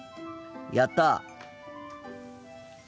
やった！